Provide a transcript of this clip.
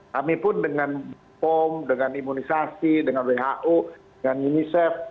kami pun dengan pom dengan imunisasi dengan who dengan unicef